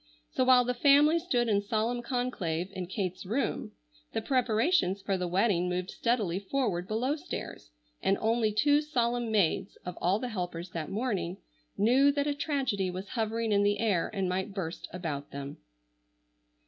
So while the family stood in solemn conclave in Kate's room the preparations for the wedding moved steadily forward below stairs, and only two solemn maids, of all the helpers that morning, knew that a tragedy was hovering in the air and might burst about them.